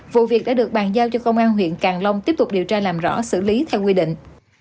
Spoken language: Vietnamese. vụ việc đã được bàn giao cho công an huyện càng long tiếp tục điều tra làm rõ xử lý theo quy định